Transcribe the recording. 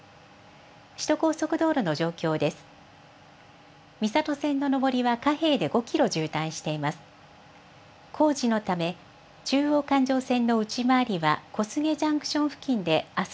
首都高速道路の状況です。